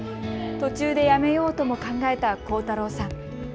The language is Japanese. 途中でやめようとも考えた宏太郎さん。